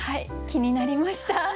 気になりました。